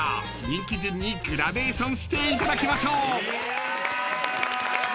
［人気順にグラデーションしていただきましょう］